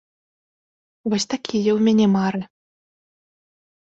Вось такія ў мяне мары.